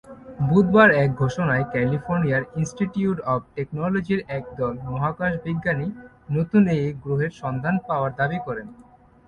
বুধবার এক ঘোষণায় ক্যালিফোর্নিয়া ইনস্টিটিউট অব টেকনোলজির একদল মহাকাশ বিজ্ঞানী নতুন এ গ্রহের সন্ধান পাওয়ার দাবি করেন।